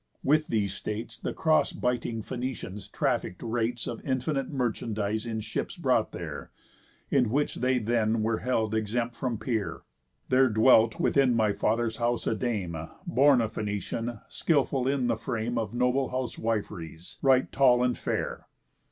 With these states The cross biting Phœnicians traffick'd rates Of infinite merchandise in ships brought there, In which they then were held exempt from peer. There dwelt within my father's house a dame, Born a Phœnician, skilful in the frame Of noble housewif'ries, right tall and fair.